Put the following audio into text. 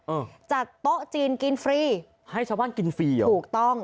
เออจัดโต๊ะจีนกินฟรีให้ชาวบ้านกินฟรีเหรอถูกต้อง